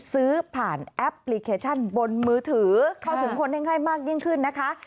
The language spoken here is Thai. ซื้อผ่านแอปพลิเคชันบนมือถือเข้าถึงคนง่ายมากยิ่งขึ้นนะคะ